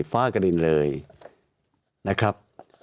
ฟ้ากระดินเลยนะครับ